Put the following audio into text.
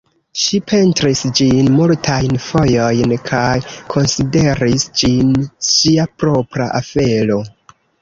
Ŝi pentris ĝin multajn fojojn kaj konsideris ĝin ŝia propra afero.